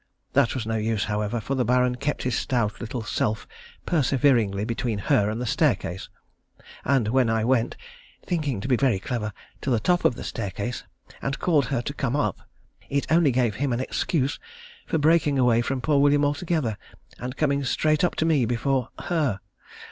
That was no use, however, for the Baron kept his stout little self perseveringly between her and the staircase, and when I went thinking to be very clever to the top of the staircase and called to her to come up, it only gave him an excuse for breaking away from poor William altogether, and coming straight up to me before her.